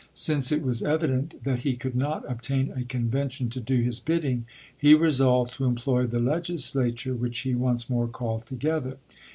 Since it was evident that he could not obtain a convention to do his bidding, he resolved to employ the Legislature, which he once more called together.